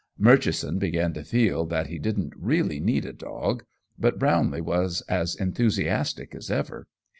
Murchison began to feel that he didn't really need a dog, but Brownlee was as enthusiastic as ever.